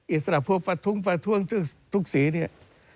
อิสระพวกประทุ้งประท้วงทุกสีเนี่ย